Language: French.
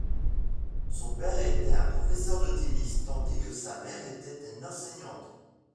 Son père était un professeur de tennis, tandis que sa mère était une enseignante.